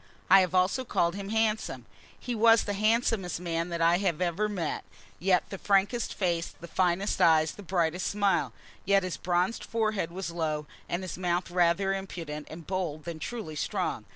I have also called him handsome. He was the handsomest man that I have ever met, had the frankest face, the finest eyes, the brightest smile. Yet his bronzed forehead was low, and his mouth rather impudent and bold than truly strong.